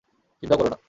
চিন্তাও করো না।